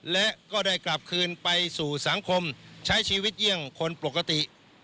และก็ได้กลับคืนไปสู่สังคมใช้ชีวิตเยี่ยงคนปกติ